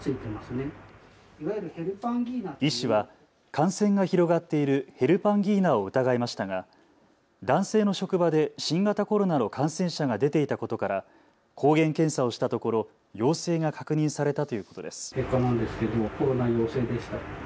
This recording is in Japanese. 医師は感染が広がっているヘルパンギーナを疑いましたが男性の職場で新型コロナの感染者が出ていたことから抗原検査をしたところ陽性が確認されたということです。